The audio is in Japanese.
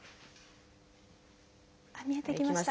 見えてきました。